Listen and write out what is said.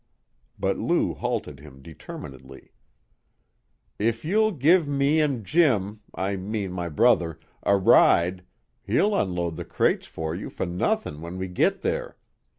But Lou halted him determinedly. "If you'll give me and Jim I mean my brother a ride, he'll unload the crates for you for nothin' when we git there.